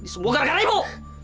semoga karena ibu